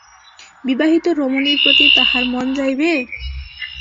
বিবাহিত রমণীর প্রতি তাহার মন যাইবে?